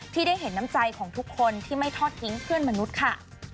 ที่ได้เห็นน้ำใจของทุกคนที่ไม่ทอดทิ้งเพื่อนมนุษย์ค่ะ